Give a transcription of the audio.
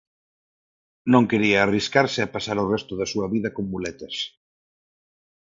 Non quería arriscarse a pasar o resto da súa vida con muletas.